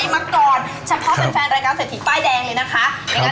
เฉพาะเป็นแฟนรายการเศรษฐีป้ายแดงเลยนะครับ